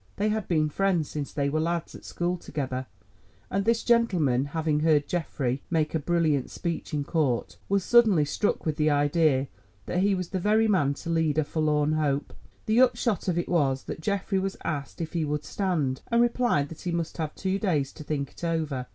They had been friends since they were lads at school together, and this gentleman, having heard Geoffrey make a brilliant speech in court, was suddenly struck with the idea that he was the very man to lead a forlorn hope. The upshot of it was that Geoffrey was asked if he would stand, and replied that he must have two days to think it over.